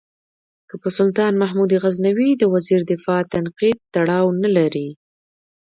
که په سلطان محمود غزنوي د وزیر دفاع تنقید تړاو نه لري.